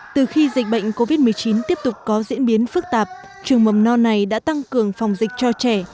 từ khi dịch bệnh covid một mươi chín tiếp tục có diễn biến phức tạp trường mầm non này đã tăng cường phòng dịch cho trẻ